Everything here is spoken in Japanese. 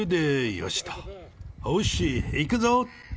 よし、行くぞ。